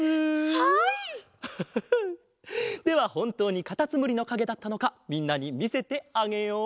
ハハハハではほんとうにカタツムリのかげだったのかみんなにみせてあげよう。